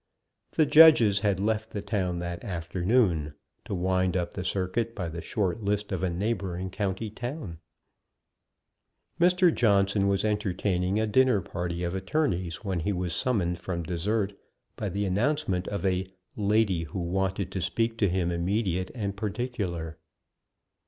The Judges had left the town that afternoon, to wind up the circuit by the short list of a neighbouring county town. Mr. Johnson was entertaining a dinner party of attorneys when he was summoned from dessert by the announcement of a "lady who wanted to speak to him immediate and particular."